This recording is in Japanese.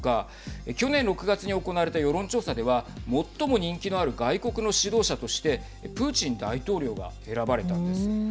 去年６月に行われた世論調査では最も人気のある外国の指導者としてプーチン大統領が選ばれたんです。